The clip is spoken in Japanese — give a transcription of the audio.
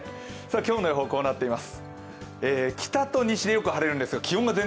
今日の予報はこうなっています。